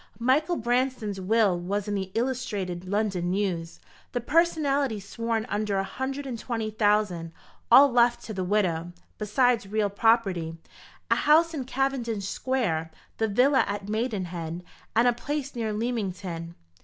Michael Branston's will was in the Illustrated London News; the personalty sworn under a hundred and twenty thousand, all left to the widow, besides real property a house in Cavendish Square, the villa at Maidenhead, and a place near Leamington."